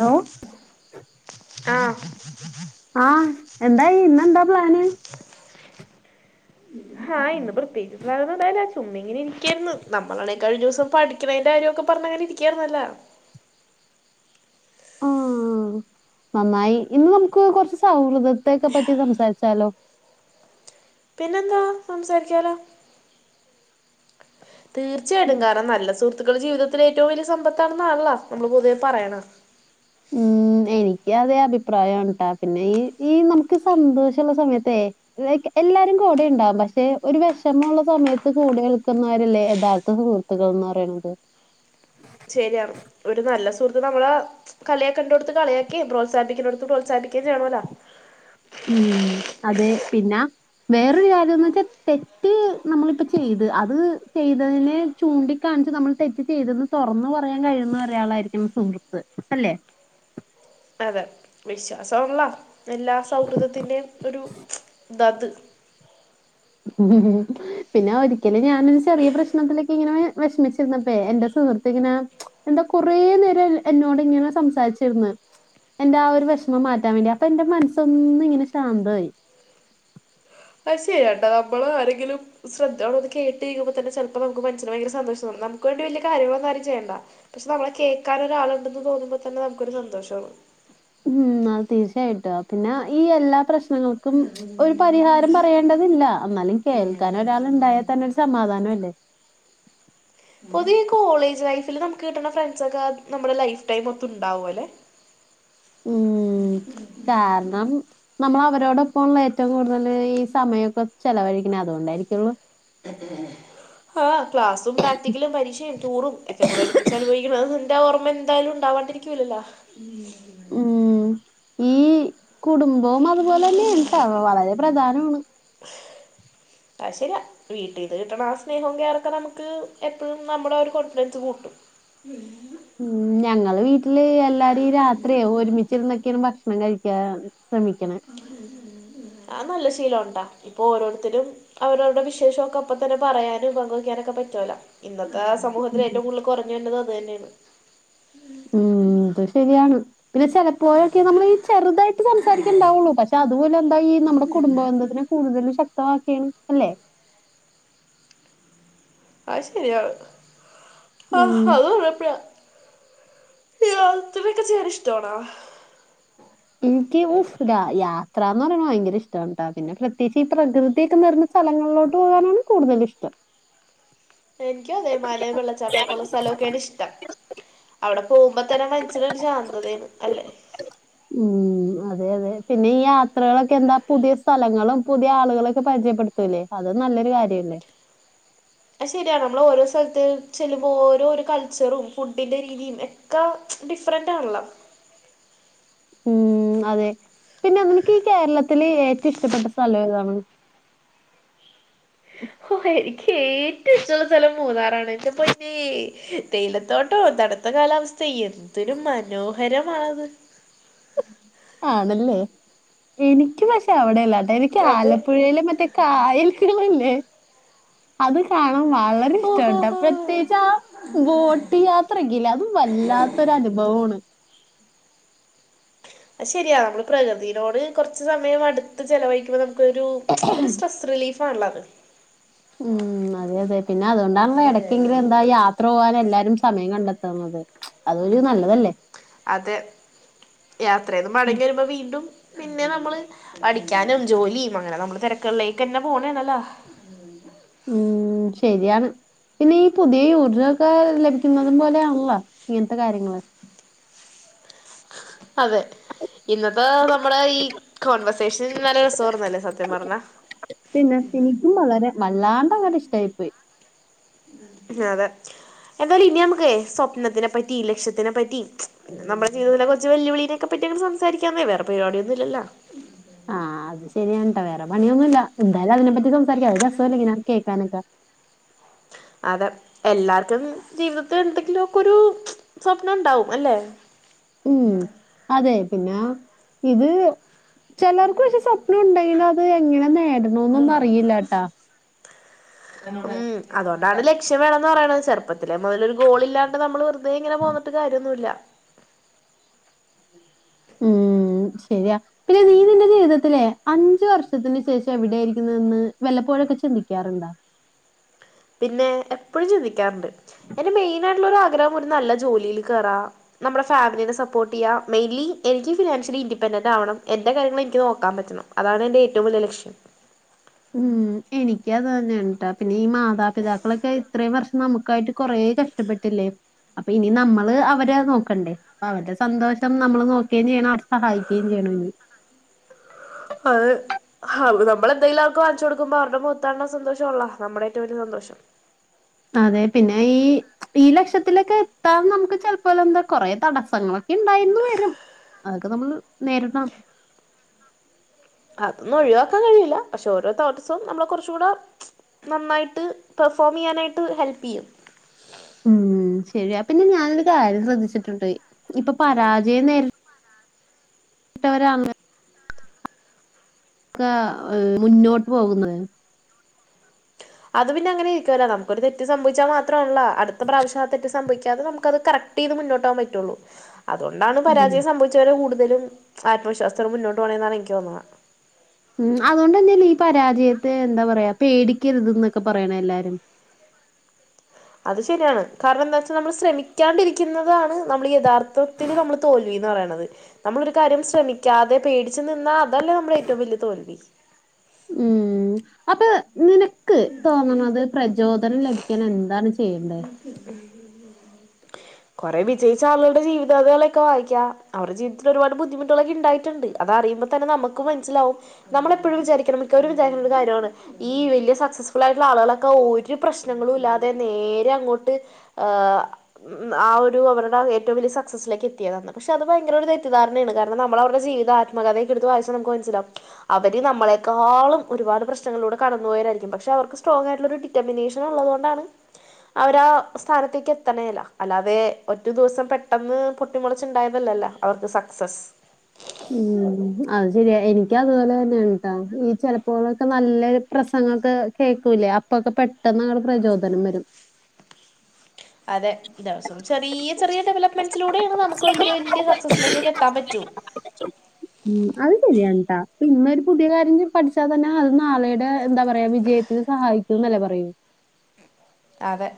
Hello [inaudible] ആഹ് ആഹ് എന്തായി ഇന്നെന്താ പ്ലാന് [inaudible] ഹായ് ന്ന് പ്രത്യേയിച്ച് ട്രയലൊന്നുണ്ടായ്ല ചുമ്മങ്ങനെരി ക്യേരുന്നു. നമ്മളാണേ കഴിഞ്ഞോസം പഠി ക്ക്യ് വേയ്ൻ്റാര്യോക്കെപ്പറഞ്ഞങ്ങെനെരി ക്യായിരുന്നല്ലെ ഉം നന്നായി ഇന്ന് നമുക്ക് കൊറ്ച്ച് സൗഹൃദത്തെക്കെ പറ്റി സംസാരിച്ചാലോ പിന്നെന്താ സംസാരിക്യാലോ. ഉം തീർച്ചയായിട്ടും കാരണം നല്ല സുഹൃത്തുക്കൾ ജീവിതത്തിത്തിലെ ഏറ്റവും വലിയ സമ്പത്താണെന്നാണല്ലൊ നമ്മള് പൊതുവെ പറയിണ്. ഉം, എനിക്ക് അതേ അഭിപ്രായാണ് ട്ടാ പിന്നെ ഇ ഈ നമുക്ക് സന്തോഷെള്ള സമയത്തേ എല്ലാരും കൂടെ ഉണ്ടാവും. പക്ഷെ ഒരു വിഷമൊള്ള സമയത്ത് കൂടെ ഇൾക്കുന്നവരല്ലേ യഥാർത്ഥ സുഹൃ ത്തുക്കൾന്ന് പറ്യണത് ശര്യാണ്. ഒരു നല്ല സുഹൃത്ത് നമ്മള് കളിയാക്കണ്ടോട്ത്ത് കളിയാക്കെം പ്രോത്സാഹിപ്പിക്കണ്ടോട്ത്ത് പ്രോത്സാഹിപ്പിക്കെം ചെയണോല്ലോ. ഊം അതെ പിന്നാ വേറൊരു കാര്യംന്ന് വെച്ചാ തെറ്റ് നമ്മളിപ്പ ചെയ്ത്. അത് ചെയ്തതിന്. ചൂണ്ടിക്കാണിച്ച് നമ്മൾ തെറ്റ് ചെയ്തെന്ന് തൊറന്ന് പറയാൻ കഴിയുന്ന ഒരാളായിരിക്കും സുഹൃത്ത് അല്ലെ. അതെ വിശ്വാസവുള്ള എല്ലാ സൗഹൃദത്തിന്റെയും ഒരു തത്. ഉം ഹ്ഹ്ഹ് പിന്നെ ഒരിക്കല് ഞാനൊരു ചെറിയ പ്രശ്നത്തിലൊക്കിങ്ങനെ വെഷമിച്ചിരുന്നപ്പേ എന്റെ സുഹൃത്ത്. ത്തിങ്ങെനെ എന്താ കൊറേ നേരം എന്നോടിങ്ങനെ സംസാരിച്ചിരുന്ന്. എന്റെ ആ ഒരു വെഷമം മാറ്റാൻ വേണ്ടി. അപ്പൊ എന്റെ മനസ്സൊന്നിങ്ങനെ ശാന്തായി. അയ്ശര്യാട്ടൊ നമ്മള് ആരെങ്കിലും ശ്രദ്ധവാണം അത് കേട്ട് ഴിയുമ്പന്നെ ചെല്പ്പ നമുക്ക് മനസിന് ഭയങ്ക സന്തോഷവാണ്. നമുക്ക് വേണ്ടി വല്യ കാര്യങ്ങളന്നാരും ചെയ്യണ്ട. പക്ഷെ നമ്മള കേക്കാൻ ഒരാളുണ്ടന്ന് തോന്നുമ്പോൾ തന്നെ നമുക്ക് ഒരു സന്തോഷാവും ഉം അത് തീർച്ചയായിട്ടും. പിന്നെ ഈ എല്ലാ പ്രശ്നങ്ങൾക്കും ഒരു പരിഹാര രം പറയേണ്ടതില്ല. എന്നാലും കേൾക്കാനൊരാൾ ഇണ്ടായാതന്നെ ഒരു സമാധാനൊല്ലേ പൊതെവെ ഈ കോളേജ് ലൈഫില് നമക്ക് കിട്ട്ണ ഫ്രൻസൊക്കെ നമ്മളെ ലൈഫ് ടൈം മൊത്തൊണ്ടാവോലെ. ഉ [inaudible] കാര്ണം നമ്മള് അവരോടൊപ്പം ഇള്ള ഏറ്റവും കൂടുതല് ഈ സമയമൊക്കെ ചെലവഴിക്ക്ണ അതോണ്ടായിരിക്കൊള്ളൂ. [inaudible] ആഹ് ക്ലാസും പ്രാക്ടിക്കലും പരീക്ഷയും ടൂറും എക്കെക്കൂടെ ഒരുമിച്ചാണ് പോയിരിക്ക്ണത്. അതൊന്നും ഇൻ്റ ആ ഓർമ്മേല് എന്തായാലും ഇണ്ടാവാണ്ടിരി ക്ക്യൂയൂലല്ലൊ ഉം ഈ കുടുംബവും അതുപോലെ ന്നേണ് ട്ടോ വളരെ പ്രധാന ആണ് അയ്ശര്യാ വീട്ടീന്ന് കിട്ട്ണ ആ സ്നേഹും കെയറൊക്കെ നമുക്ക് എപ്പഴും നമ്മുടെ ഒരു കോൺഫിഡൻസ് കൂട്ടും. ഉം ഉം ഞങ്ങള് വീട്ടില് എല്ലാരു ഈ രാത്രിയെ ഒരുമിച്ചിരുന്നൊക്കെയാണ് ഭക്ഷണം കഴിക്കാ സെമിയ്ക്കണ് അഹ് നല്ല ശീലൊണ്ട ഇപ്പൊ ഓരോരുത്തരും അവരവരുടെ വിശേഷൊക്കെ അപ്പ തന്നെ പറയാനും പങ്കുവയ്ക്കാനൊക്കെ പറ്റോലോ. ഇന്നത്തേ ഉം. സമൂഹത്തിന് ഏറ്റവും കൂടുതൽ കൊറഞ്ഞു വരുന്നതു അത് തന്നെയാണ്. ഊം ഇതു ശരിയാണ്. പിന്നെ ചെലപ്പോയൊക്കെ നമ്മള് ഈ ചെറുതായിട്ട് സംസാരിക്കപണ്ടാവൊള്ളൂ പക്ഷ് അതുപോലെ എന്താ ഈ നമ്മടെ കുടുംബന്ധത്തിന് കൂടുതല് ശക്തമാക്കിയാണ് അല്ലെ അയ് ശരിയാ ആഹ് ഉം. അത് ഓലപ്ലാ യാത്രയൊക്കെ ചെയ്യാനിഷ്ടാണോ ഇനിക്ക് ഊഹ് യാത്രാന്ന് പറയണ ഭയങ്കരഷ്ടാണ് ട്ടാ പിന്നെ പ്രത്യേകിച്ച് ഈ പ്രകൃതിയൊക്കെ നടന്ന് സ്ഥലങ്ങളിലോട്ട് പോകാനാണ് കൂടുതൽ ഇഷ്ടം എനിയ്ക്കും അതേ മലേം വെള്ളച്ചാട്ടൊക്കെള്ള സ്ഥലൊക്കേണിഷ്ടം അവിടെ പോവുമ്പോതന്നെ മൻസിനൊരു ശാന്തതേണ് അല്ലേ ഉം അതെ അതെ പിന്നെ ഈ യാത്രകളൊക്കെന്താ പുതിയസ്ഥലങ്ങളും പുതിയആളുകളൊക്കെ പരിചയപ്പെടു ത്തുലെ അതും നല്ലൊരു കാര്യംല്ലേ അത് ശരിയാണ് നമ്മളോരോ സ്ഥൽത്ത് ചെല്ലുമ്പോ ഓരോരകൾച്ചറും ഫുഡിൻ്റെരീതിം ഒക്ക ഡിഫ്റന്റാൺല്ലോ ഉം അതെ പിന്നെ നിനക്ക് ഈ കേരളത്തില് ഏറ്റവും ഇഷ്ടപ്പെ ട്ടസ്ഥലേതാണ് ഓഹെ എനിക്ക് ഏറ്റവും ഇഷ്ട്ടൊള്ള സ്ഥലം മൂന്നാറാണ് എന്റെ പൊന്നേ തേയിലത്തോട്ടോം തണുത്തകാലാവസ്ഥ എന്തൊരുമനോഹരമാണത് ആണല്ലേ എനിക്ക് പഷെ അവ്ടെല്ലാട്ടെ എനിക്ക് അതെ ആലപ്പുഴയിലെ മറ്റേ കായൽകള് ഇല്ലേ അത്കാണാൻ വളരെഇഷ്ട്ടാണ് ട്ടാ ഓഹോഹോ പ്രത്യേകിച്ച് ആ ബോട്ട് യാത്രയക്കില്ലെ അത് വല്ലാത്തൊരനുഭവാണ് അഹ്‌ശരിയാ നമ്മള്പ്രകൃതിനോട് കൊറ്ച്ച്സമയം അടുത്ത്ചെലവഴിക്കുമ്പോ നമുക്ക് ഒരു ഒരു സ്ട്രെസ്സ് റിലീഫാണല്ലോ അത് ഉം അതെഅതെ പിന്നെ അതോണ്ടാണല്ലോ എടക്കെങ്കിലും എന്താ യാ ത്രൊ പോവാന് എല്ലാരും സമയം കണ്ടെത്തുന്നത് അതൊരു നല്ലതല്ലേ അതെ യാത്രേന്ന് മടങ്ങിവരുമ്പോ വീണ്ടും പിന്നെ നമ്മള് പടിക്കാനും ജോലിയും അങ്ങനെ നമ്മള് തെരക്കളിലേക്കെന്നെ പോണെണല്ലോ ഉം ശരിയാണ് പിന്നെ ഈ പുതിയ ഊർജ്ജമൊക്കെ ലഭിക്കുന്നതും പോലെയാണല്ലോ ഇങ്ങൻത്തെ കാര്യങ്ങള് അതെ ഇന്നത്തെ നമ്മുടെ ഈ കോൺവെർസേഷൻ നല്ലരെസോർന്നല്ലേ സത്യംപർഞ്ഞ പിന്നെ എനിക്കുംവളരെ വല്ലാണ്ടങ്ങട്ട് ഇഷ്ടായിപോയി അതെ എന്തായാലും ഇനിനമുക്കെയ് സ്വപ്നത്തിനെപറ്റി ലക്ഷ്യത്തിനെപറ്റി നമ്മുടെ ജീവിതത്തിലെ കൊറച്ച് വെല്ലുവിളിനെക്കെപറ്റി അങ്ങട് സംസാരിക്കാന്നേ വേറെപരിപാടിയൊന്നുല്ലല്ലോ ആഹ് അത്ശരിയാണ് ട്ടാ വേറെ പണിയൊന്നുംല്ല എന്തായാലും അതിനെപ്പറ്റി സംസാരിക്കാ അത് രസ്സല്ലെ ഇങ്ങനെ കേക്കാനൊക്കെ അതെ എല്ലാർക്കും ജീവിതത്തില് എന്തെങ്കിലും ഒക്കൊരു സ്വപ്നം ഇണ്ടാവും അല്ലെ ഉം അതെ പിന്നാ ഇത് ചെലർക്ക് പഷെ സ്വപ്നം ഉണ്ടെങ്കിലും അത് എങ്ങനെനേടണോന്നൊന്നും അറിയില്ലട്ട ഉം അതോണ്ടാണ് ലക്ഷ്യം വേണന്ന് പറയണത് ചെറുപ്പത്തിലെ മുതലൊരു ഗോളില്ലാണ്ട് നമ്മൾ വെറുതെ ഇങ്ങനെ പോന്നിട്ട് കാര്യൊന്നുല്ല ഉം ശരിയാ പിന്നെ നീ നിന്റെ ജീവിതത്തിലെ അഞ്ചു വർഷത്തിന് ശേഷം എവിടെ ആയിരിക്കുന്നെന്ന് വല്ലപ്പോഴൊക്കെ ചിന്തിക്കാറുണ്ടോ പിന്നെ എപ്പഴും ചിന്തിക്കാറുണ്ട് എന്റെ മെയിനായിട്ടുള്ളൊരു ആഗ്രഹം ഒരു നല്ല ജോലിയില് കേറാ നമ്മ്ടെ ഫാമിലിനെ സപ്പോർട്ടെയ്യ മെയ്ന്ലി എനിക്ക് ഫിനാൻഷ്യലി ഇൻഡിപെൻഡന്റാവണം എന്റെ കാര്യങ്ങള് എനിക്ക് നോക്കാൻ പറ്റണം അതാണ് എന്റെ ഏറ്റവും വെല്ല്യ ലക്ഷ്യം ഉം എനിക്ക് അത് തന്നെണ് ട്ടാ പിന്നെ ഈ മാതാപിതാക്കളൊക്കെ ഇത്രയും വർഷം നമുക്കായിട്ട് കൊറേ കഷ് കഷ്ടപ്പെട്ടില്ലേ അപ്പൊ ഇനി നമ്മള് അവരെ നോക്കണ്ടേ അവര്ടെ സന്തോഷം നമ്മള് നോക്കേം ചെയ്യണം അവരെ സഹായിക്കേം ചെയ്യണം ഇനി അതെ അത്‌ നമ്മളന്തങ്കിലും അവര്ക്ക് വാങ്ങ്ച്ചൊടുക്ക്മ്പോ അവര്ടെ മോത്താൺണ സന്തോഷോള്ള നമ്മുടെ ഏറ്റവും വലിയ സന്തോഷം അതെ പിന്നെ ഈ ഈ ലക്ഷത്തിലൊക്കെ എത്താൻ നമുക്ക് ചെൽപ്പോലെന്താ കോറെ തടസ്സങ്ങളൊക്കെണ്ടാവും [inaudible] അതൊക്കെ നമ്മള് നേരിടണം അതൊന്നും ഒഴിവാക്കാൻ കഴിയില്ല പഷെ ഓരോ തോട്ട്സും നമ്മളെകൊർച്ച്കൂടെ നന്നായിട്ട് പെഫോംയ്യാനായിട്ട് ഹെൽപ്പ്യ്യും ഉം ശരിയാ പിന്നെഞാനൊരു കാര്യംശ്രദ്ധിച്ചിട്ടുണ്ട് ഇപ്പൊപരാജയം നേരി ട്ടവരാ [unintelligible] കാ മുന്നോട്ട് പോകുന്നത് അത് പിന്നെ അങ്ങനെ ഇരിക്കുവല്ല നമുക്കൊരു തെറ്റ് സംഭവിച്ചാൽ മാത്രമല്ല അടുത്ത പ്രാവശ്യം ആഹ് തെറ്റ് സംഭവിക്കാതെ നമുക്ക് അത് കറക്റ്റ് ചെയ്ത് മുന്നോട്ടാവാൻ പറ്റുള്ളൂ അതുകൊണ്ടാണ് ഉം. പരാജയം സംഭവ കുറച്ച് പേര് കൂടുതലും ആത്മവിശ്വാസത്തോടെ മുന്നോട്ടു പോണതെന്നാണ് എനിക്ക് തോന്നണ ഉം അതുകൊണ്ട് തന്നെയല്ലേ ഈ പരാജയത്തെ എന്താ പറയാ പേടിക്കരുത് എന്നൊക്കെ പറയണ എല്ലാരും അത് ശരിയാണ് കാരണം എന്താ വെച്ചാൽ നമ്മൾ ശ്രമിക്കാണ്ടിരിക്കുന്നതാണ് നമ്മൾ യഥാർത്ഥ തില് നമ്മള് തോൽവീന്ന് പറയണത് നമ്മളൊരു കാര്യം ശ്രമിക്കാതെ പേടിച്ചു നിന്നാൽ അതല്ലേ നമ്മുടെ ഏറ്റവും വലിയ തോൽവി ഉം അപ്പൊ നിനക്ക് തോന്നണത് പ്രചോദനം ലഭിക്കാൻ എന്താണ് ചെയ്യേണ്ടേ [inaudible] കുറെ വിജയിച്ച ആളുകളുടെ ജീവിതകഥകളൊക്കെ വായിക്കാം അവരുടെ ജീവിതത്തിൽ ഒരുപാട് ബുദ്ധിമുട്ടുകളൊക്കെ ഉണ്ടായിട്ടുണ്ട് അത് അറിയുമ്പോൾ തന്നെ നമുക്ക് മനസ്സിലാവും നമ്മള് എപ്പോഴും വിചാരിക്കണം മിക്കവരും വിചാരിക്കണ ഒരു കാര്യമാണ് ഈ വലിയ സക്സസ്ഫുൾ ആയിട്ടുള്ള ആളുകളൊക്കെ ഒരു പ്രശ്നങ്ങളും ഇല്ലാതെ നേരെ അങ്ങോട്ട് ആഹ് ഒരു അവരുടെ ഏറ്റവും വലിയ സക്സസിലേക്ക് എത്തിയതാണ് പക്ഷേ അത് ഭയങ്കര ഒരു തെറ്റിദ്ധാരണയാണ് കാരണം നമ്മള് അവരുടെ ജീവിത ആത്മകഥയൊക്കെ എടുത്തു വായിച്ചാൽ നമുക്ക് മനസ്സിലാകും അവര് നമ്മളെക്കാളും ഒരുപാട് പ്രശ്നങ്ങളിലൂടെ കടന്നപോയവരായിരിക്കും പക്ഷേ അവർക്ക് സ്ട്രോങ് ആയിട്ടുള്ളൊരു ടി ഡക്മിനേഷൻ ഉള്ളതുകൊണ്ടാണ് അവരാ സ്ഥാനത്തേക്ക് എത്തണേല്ല അല്ലാതെ ഒറ്റ ദിവസം പെട്ടെന്ന് പൊട്ടിമുളച്ചുണ്ടായതല്ലല്ല അവർക്ക് സക്സസ് ഉം അത് ശരിയാ എനിക്ക് അതുപോലെ തന്നെണാട്ടാ ഈ ചിലപ്പോൾളൊക്കെ നല്ലൊരു പ്രസംഗംക്കെ കേൾക്കൂലേ അപ്പൊക്കെ പെട്ടെന്നങ്ങ് പ്രചോദനം വരും അതെ ദിവസം ചെറിയ ചെറിയ ഡെവലപ്മെന്റ്സിലൂടെയ നമുക്ക് വലിയ വലിയ സക്സിലേക്ക് എത്താൻ പറ്റു അത് ശരിയാണട്ടാ ഇന്നൊരു പുതിയ കാര്യം പഠിച്ചാ തന്നെ അത് നാളെയയുടെ എന്താ പറയാ വിജയത്തിന് സഹായിക്കും എന്നല്ലെ പറയൂ അതെ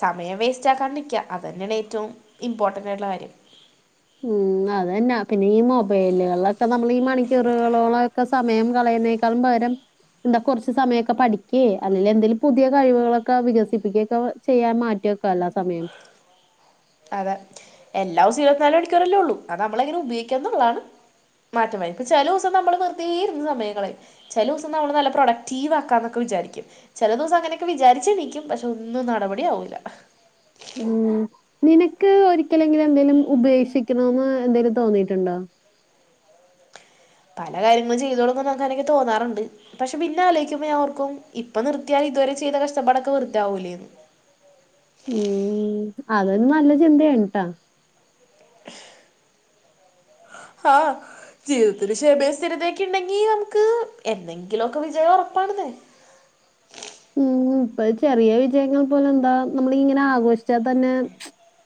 സമയം വേസ്റ്റ് ആക്കാണ്ടിക്കുക അത് തന്നെയാണ് ഏറ്റവും ഇമ്പോർട്ടൻറ് ആയിട്ടുള്ള കാര്യം ഉം അതന്നെ പിന്നെ ഈ മൊബൈലുകളൊക്കെ നമ്മൾ ഈ മണിക്കൂറുകളോളം ഒക്കെ സമയം കളയതിനേക്കാളും പകരം എന്താ കുറച്ച് സമയമൊക്കെ പഠിക്കുകേ അല്ലെങ്കിൽ എന്തെങ്കിലും പുതിയ കഴിവുകളൊക്കെ വികസിപ്പിക്കുകയെ ഒക്കെ ചെയ്യാൻ മാറ്റിവെക്കാല്ല സമയം അതെ എല്ലാ ഇസോം ഇരുപത്തിനാല് മണിക്കൂറല്ലേ ഉള്ളൂ അത് നമ്മളെങ്ങനെ ഉപയോഗിക്കാന്ന് ഉള്ളതാണ് മാറ്റംവരും ചില ദിവസം നമ്മള് വെറുതെ ഇരുന്നു സമയം കളയും ചില ദിവസം നമ്മള് നല്ല പ്രൊഡക്റ്റീവ് ആക്കാന്നൊക്കെ വിചാരിക്കും ചില ദിവസം അങ്ങനെയൊക്കെ വിചാരിച്ച എണീക്കും പക്ഷേ ഒന്നും നടപടി ആവൂല്ല ഉം നിനക്ക് ഒരിക്കലെങ്കിലും എന്തേലും ഉപേക്ഷിക്കണന്ന് എന്തേലും തോന്നീട്ടുണ്ടോ? പല കാര്യങ്ങളും ചെയ്തോടും നമുക്ക് എനിക്ക് തോന്നാറുണ്ട് പക്ഷേ പിന്നെ ആലോയിക്കുമ്പോ ഞാൻ ഓർക്കും ഇപ്പൊ നിർത്തിയാൽ ഇതുവരെ ചെയ്ത കഷ്ടപ്പാടൊക്കെ വെറുതെയാവൂലേന്ന് ഉം അതൊും നല്ല ചിന്തയാണട്ടാ ആഹ് ജീവിതത്തിൽ ക്ഷേമേ സ്ഥിരതയൊക്കെ ഉണ്ടെങ്കി നമുക്ക് എന്തെങ്കിലുമൊക്കെ വിജയം ഉറപ്പാണന്നേ ഉം ഇപ്പൊ ചെറിയ വിജയങ്ങൾ പോലെ എന്താ നമ്മൾ ഇങ്ങനെ ആഘോഷിച്ചാൽ തന്നെ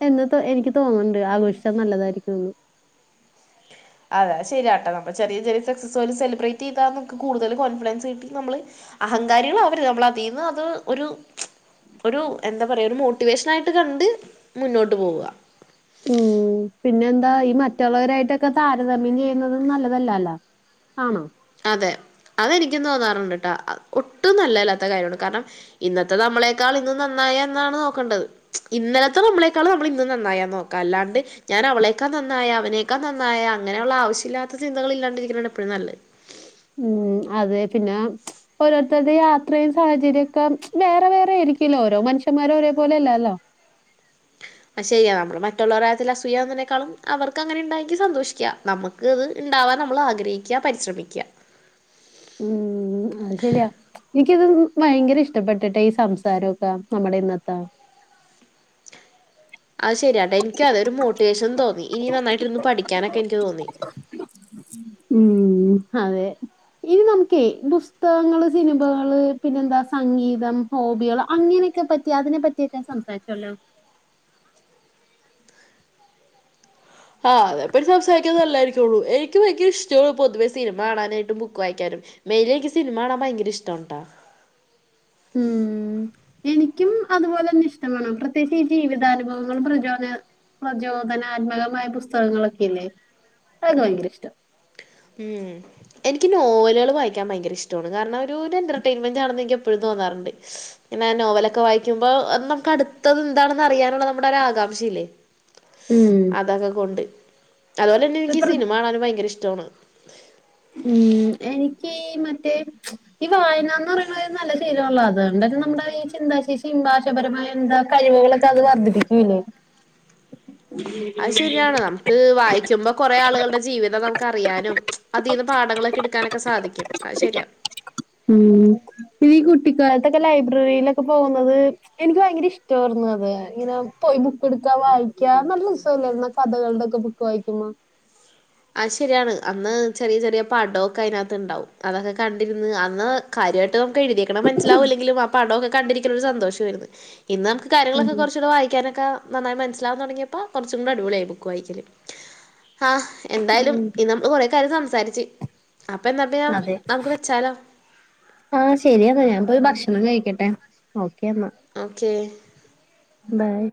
എന്ന് എനിക്ക് തോന്നുന്നുണ്ട് ആഘോഷിച്ചാൽ നല്ലതായിരിക്കുംന്ന് അതെ ശരിയാട്ട നമ്മൾ ചെറിയ ചെറിയ സക്സ് പോലും സെലിബ്രേറ്റ് ചെയ്താൽ നമുക്ക് കൂടുതൽ കോൺഫിഡൻസ് കിട്ടി നമ്മള് അഹങ്കാരികൾ ആവര്ത് നമ്മള് അതീന്ന് അത് ഒരു ഒരു എന്താ പറയുക ഒരു മോട്ടിവേഷൻ ആയിട്ട് കണ്ട് മുന്നോട്ട് പോവുക ഉം പിന്നെ എന്താ ഈ മറ്റുള്ളവരായിട്ടൊക്കെ താരതമ്യം ചെയ്യുന്നത് നല്ലതല്ല അല്ലോ ആണോ അതെ അതെനിക്കും തോന്നാറുണ്ട് ട്ടോ ഒട്ടും നല്ലതല്ലാത്ത കാര്യമാണ് കാരണം ഇന്നത്തെ നമ്മളെക്കാൾ ഇന്നും നന്നായ എന്നാണ് നോക്കണ്ടത് ഇന്നലത്തെ നമ്മളെക്കാളും നമ്മള് ഇന്ന് നന്നായന്ന് നോക്കാം അല്ലാണ്ട് ഞാൻ അവളെക്കാ നന്നായ അവനേക്കാ നന്നായ അങ്ങനെയുള്ള ആവശ്യല്ലാത്ത ചിന്തകൾ ഇല്ലാണ്ടിരിക്കുന്നാണ് എപ്പോഴും നല്ലത്. ഉം അതെ പിനാ ഓരോരുത്തരുടെ യാത്രയും സാഹചര്യംക്കെ വേറെ വേറെ ആയിരിക്കല്ലോ ഓരോ മനുഷ്യമാരും ഒരേപോലെല്ലല്ലോ? ചെയ്യാം നമ്മള് മറ്റുള്ളവരുടെ കാര്യതിൽ അസൂയുന്നതിനേക്കാളും അവർക്ക്ങ്ങനെ ഉണ്ടെങ്കിൽ സന്തോഷിക്കാം നമ ക്ക്ത് ഉണ്ടാവാൻ നമ്മൾ ആഗ്രഹിക്കുക പരിശ്രമിക്കുക. ഉം ശരിയാ എനിക്കിത് ഭയങ്കര ഇഷ്ടപ്പെട്ടിട്ട് ഈ സംസാരംക്കെ നമ്മടെ ഇന്നത്തെ. അത് ശെരിയാ എനിക്ക് അതൊരു മോട്ടിവേഷൻ തോന്നി ഇനി നന്നായിട്ട് ഇര്ന്ന് പഠിക്കാനൊക്കെ എനിക്ക് തോന്നി. ഉം അതെ ഇനി നമുക്കേ പുസ്തകങ്ങള് സിനിമകള് പിന്നെന്താ സംഗീതം ഹോബിള് അങ്ങനെയൊക്കെ പറ്റി അതിനെ പറ്റിയൊക്കെ സംസാരിച്ചല്ലോ? ആഹ് അതെപ്പഴും സംസാരിക്കുന്നത് നല്ലായിരിക്കള്ളു എനിക്ക് ഭയങ്കര ഇഷ്ടുണ് പൊതുവേ സിനിമ കാണാനായിട്ടും ബുക്ക് വായിക്കാനും. മെയിനനിക്ക് സിനിമ കാണാൻ ഭയങ്കര ഇഷ്ണ്ട്ടാ. ഉം എനിക്കും അതുപോലെ ന്നെ ഇഷ്ടമാണ് പ്രത്യേകിച്ച് ഈ ജീവിതാനുഭവങ്ങളും പ്രചോദന പ്രചോദനാത്മകമായ പുസ്തകങ്ങളൊക്കെല്ലേ അത് ഭയങ്കര ഇഷ്ട ഉം എനിക്ക് നോവലുകൾ വായിക്കാൻ ഭയങ്കര ഇഷ്ടണ് കാരണം ഒരു രു എന്റർടൈൻമെന്റ് ആണെന്ന് എൻ പ്പയും തോന്നാറുണ്ട് പിന്നെ നോവലൊക്കെ വായിക്കുമ്പോഅത്‌ നമുക്ക് അടുത്തത് എന്താണ് ന്ന് അറിയാനുള്ള നമ്മുടെ ഒരു ആകാംക്ഷയില്ലേ ഉം. അതൊക്കെ കൊണ്ട് അതുപോലെന്നെ എനിക്ക് പ്ര സിനിമ കാണാനും ഭയങ്കര ഇഷ്ടമാണ്. ഉം എനിക്ക് മറ്റേ ഈ വായന എന്ന് പറയുന്നത് നല്ല ശീലമണല്ലോ അതുകൊണ്ട് തന്നെ നമ്മുടെ ഈ ചിന്താശേഷി പരമായ എന്താ കഴിവുകളൊക്കെ അത് വർദ്ധിപ്പിക്കൂല്ലേ? അത് ശരിയാണ് നമുക്ക് വായിക്കുമ്പോ കൊറേ ആളുകളുടെ ജീവിതം നമുക്ക് അറിയാനും അതിന്ന് പാടങ്ങളൊക്കെടുക്കാനൊക്കെ സാധിക്കും. അത് ശരിയാണ് [inaudible] മ് ഈ കുട്ടിക്കാലത്തൊക്കെ ലൈബ്രറിയിലൊക്കെ പോകുന്നത് എനിക്ക് ഭയങ്കര ഇഷ്ടം വായ്ര്ന്നു അത് ഇങ്ങനെ പോയി ബുക്ക്‌ടുക്കാ വായിക്കാ നല്ല രസല്ലരുന്നൊ കഥകളുടെൊക്കെ ബു ക്ക് വായിക്കുമ്പോ അ ശരിയാണ് അന്ന് ചെറിയ ചെറിയ പടൊക്കെ അതിനകത്ത് ഉണ്ടാവും അതൊക്കെ കണ്ടിരുന്ന് അന്ന് കാര്യയിട്ട് നമുക്ക് എഴുതിയിക്ണെ മനസിലാകില്ലെങ്കിലും ആ പടമൊക്കെ കണ്ടിരിക്ക ഒരു സന്തോഷംമായിരുന്നു ഇന്ന് നമു കാര്യങ്ങളൊക്കെ ഉം, കുറച്ചൂടെ വായിക്കാനൊക്കെ നന്നായി മനസ്സിലാവാൻ തുടങ്ങിയപ്പോ കുറച്ചും കൂടെ അടിപൊളിയായ് ബുക്ക് വായിക്കല് ആ എന്തായാലും ന്ന് നമ്മൾ കൊറേ കാര്യം സംസാരിച്ച് അപ്പൊ ന്നാ പിന്നെ നമുക്ക് വെച്ചാലോ? ആഹ് ശെരിയെന്നാ ഞാൻപ്പോയി ഭക്ഷണം കഴിക്കട്ടെ ഓക്കെന്നാ. ഓക്കേ. ബൈ.